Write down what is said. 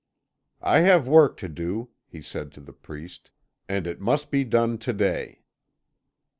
"I have work to do," he said to the priest, "and it must be done to day."